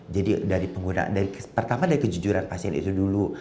jadi dari penggunaan pertama dari kejujuran pasien itu dulu